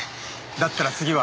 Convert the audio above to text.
だったら次は。